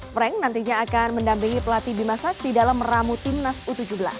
frank nantinya akan mendampingi pelatih bimasak di dalam ramu timnas u tujuh belas